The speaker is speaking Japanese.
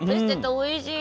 おいしい。